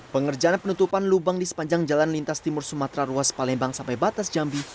pengerjaan penutupan lubang di sepanjang jalan lintas timur sumatera ruas palembang sampai batas jambi